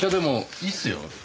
いいっすよ。